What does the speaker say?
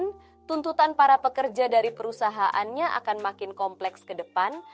namun tuntutan para pekerja dari perusahaannya akan makin kompleks ke depan